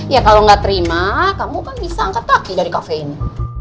ya kalo gak terima kamu kan bisa angkat kaki dari cafe ini